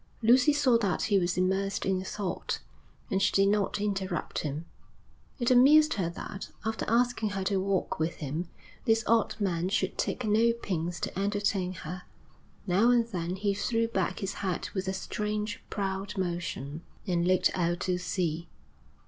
Lucy saw that he was immersed in thought, and she did not interrupt him. It amused her that, after asking her to walk with him, this odd man should take no pains to entertain her. Now and then he threw back his head with a strange, proud motion, and looked out to sea.